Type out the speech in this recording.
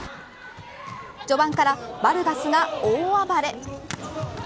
序盤からバルガスが大暴れ。